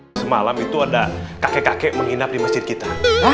hai semalam itu ada kakek kakek menginap di masjid kita